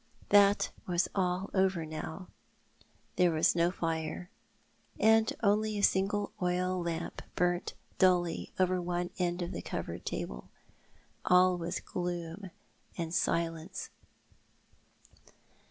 That was all over now. There was no fire, and only a single o 1 6 T/i07i ai4 the Man. oil lamp burnt dully over one end of the covered tcable. All was gloom and silence.